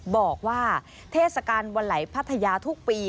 บอกว่าเทศกาลวันไหลพัทยาทุกปี